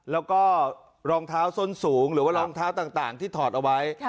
แล้วก็รองเท้าส้นสูงหรือว่ารองเท้าต่างที่ถอดเอาไว้